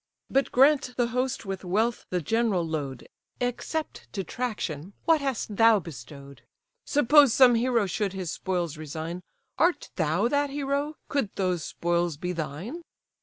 But grant the host with wealth the general load, Except detraction, what hast thou bestow'd? Suppose some hero should his spoils resign, Art thou that hero, could those spoils be thine?